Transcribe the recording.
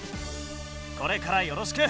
これからよろしく！